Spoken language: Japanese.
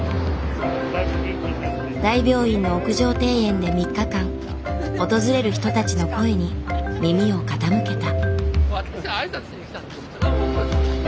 大病院の屋上庭園で３日間訪れる人たちの声に耳を傾けた。